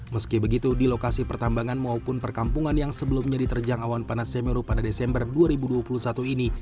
meski begitu di lokasi pertambangan maupun perkampungan yang sebelumnya diterjang awan panas semeru pada desember dua ribu dua puluh satu ini